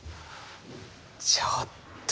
ちょっと。